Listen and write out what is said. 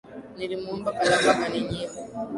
Nilimwomba kalamu akaninyima